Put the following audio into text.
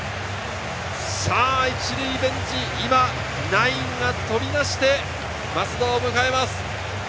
１塁ベンチ、今、ナインが飛び出して増田を迎えます。